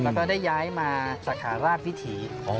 แล้วก็ได้ย้ายมาสาขาราชวิถี